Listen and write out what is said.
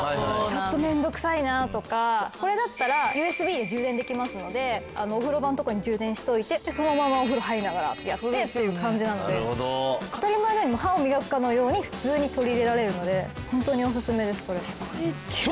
これだったらＵＳＢで充電できますのでお風呂場のとこに充電しておいてそのままお風呂入りながらやってっていう感じなので当たり前のようにもう歯を磨くかのように普通に取り入れられるので本当におすすめですこれ。